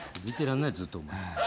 見てらんないよずっと。